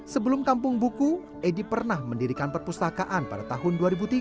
sebelum kampung buku edi pernah mendirikan perpustakaan pada tahun dua ribu tiga